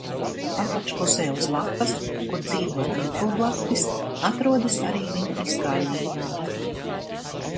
Apakšpusē uz lapas, kur dzīvo tīklblaktis, atrodas arī viņu izkārnījumi.